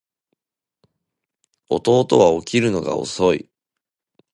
弟は起きるのが遅い